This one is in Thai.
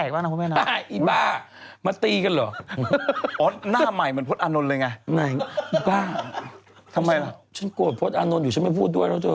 ฉันกวดพระพระอานตรนดรอยู่ฉันไม่พูดด้วยนะคะ